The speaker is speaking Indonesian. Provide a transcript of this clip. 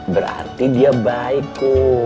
berarti dia baik